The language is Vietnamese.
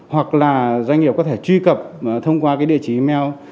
hoặc là doanh nghiệp có thể truy cập thông qua cái địa chỉ email